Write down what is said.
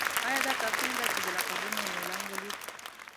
ایا دا کافي نه ده چې د لقبونو نېلام ولید.